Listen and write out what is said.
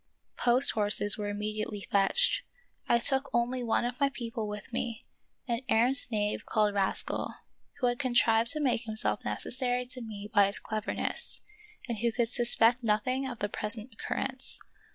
Post horses were immediately fetched. I took only one of my people with me, an arrant knave called Ras cal, who had contrived to make himself necessary to me by his cleverness, and who could suspect nothing of the present occurrence.